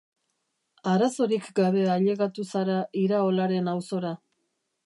Arazorik gabe ailegatu zara Iraolaren auzora.